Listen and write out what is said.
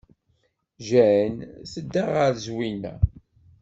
Jane tedda ɣer Zwina.